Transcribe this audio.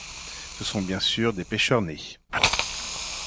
Ce sont, bien sûr, des pêcheurs nés.